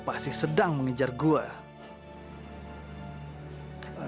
pasti sedang mengejar gue